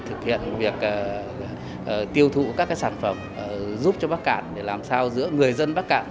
thực hiện việc tiêu thụ các sản phẩm giúp cho bắc cạn để làm sao giữa người dân bắc cạn